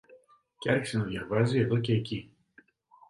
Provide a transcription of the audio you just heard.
Και άρχισε να διαβάζει εδώ κι εκεί